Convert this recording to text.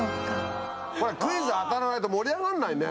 これクイズ当たらないと盛り上がらないね。